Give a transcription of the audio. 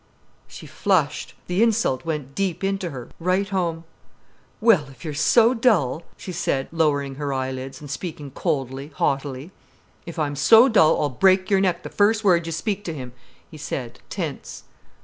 She flushed. The insult went deep into her, right home. "Well, if you're so dull——" she said, lowering her eyelids, and speaking coldly, haughtily. "If I'm so dull I'll break your neck the first word you speak to him," he said, tense.